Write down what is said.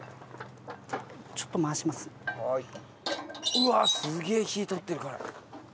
うわっすげえ火通ってるから。